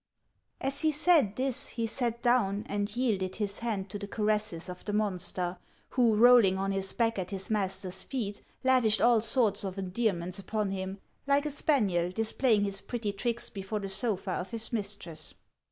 As he said this, he sat down and yielded his hand to HANS OF ICELAND. 281 the caresses of the monster, who, rolling on his back at his master's feet, lavished all sorts of endearments upon him, like a spaniel displaying his pretty tricks before the sofa of his mistress.